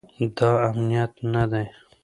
دا امنیت نه دی